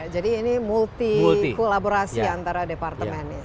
jadi ini multi kolaborasi antara departemen